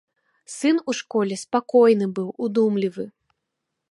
Сын у школе спакойны быў, удумлівы.